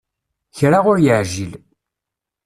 Kra ur yeεǧil.